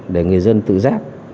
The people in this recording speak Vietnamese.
để người dân tự giác